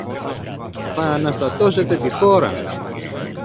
Θ' αναστατώσετε τη χώρα!